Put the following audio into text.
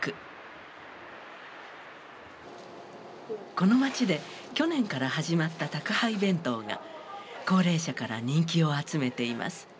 このまちで去年から始まった宅配弁当が高齢者から人気を集めています。